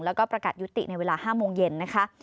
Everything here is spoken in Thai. แล้วก็ประกาศยุติในเวลา๕โมงเย็นนะคะ